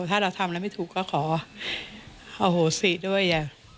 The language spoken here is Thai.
ถ้าเราทำแล้วไม่ถูกก็ขออโหสิด้วย